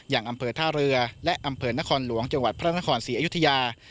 อย่างอำเภอท่าเรือและอำเภอนครหลวงจังหวัดพระนครศรีอยุธยา